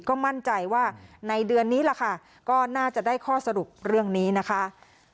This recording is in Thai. ก็มั่นใจว่าในเดือนนี้ล่ะค่ะก็น่าจะได้ข้อสรุปเรื่องนี้นะคะ